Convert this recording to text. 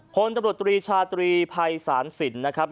พลตำรวจตรีชาตรีภัยศาลสินนะครับ